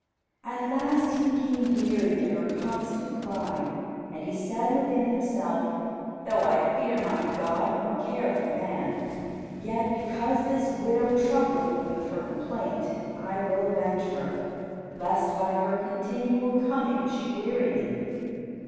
At last he became wearied of her constant cry, and he said within himself, "Though I fear not God nor care for man, yet, because this widow troubleth me with her complaint, I will avenge her; lest by her continual coming she weary me."